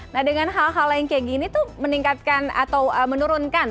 nah dengan hal hal yang kayak gini tuh meningkatkan atau menurunkan